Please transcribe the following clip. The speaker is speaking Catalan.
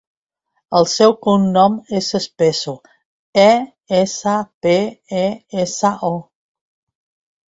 El seu cognom és Espeso: e, essa, pe, e, essa, o.